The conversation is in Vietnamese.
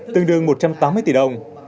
tương đương một trăm tám mươi tỷ đồng